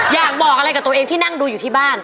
อยากบอกอะไรกับตัวเองที่นั่งดูอยู่ที่บ้าน